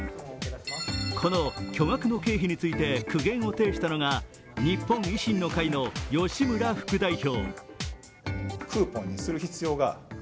この巨額の経費について苦言を呈したのは日本維新の会の吉村副代表。